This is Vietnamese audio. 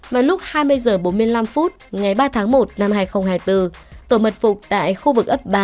vào lúc hai mươi h bốn mươi năm phút ngày ba tháng một năm hai nghìn hai mươi bốn tổ mật phục tại khu vực ấp ba